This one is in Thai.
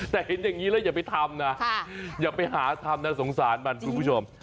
แต่เห็นอย่างนี้แล้วอย่าไปทำนะอย่าไปหาทำนะสงสารมันคุณผู้ชม